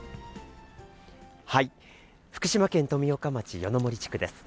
福島県富岡町夜の森地区です。